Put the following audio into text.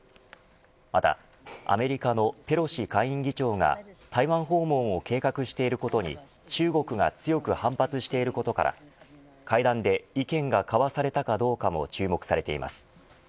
またアメリカのペロシ下院議長が台湾訪問を計画していることに中国が強く反発していることから会談で意見が交わされたどうかも注目されています。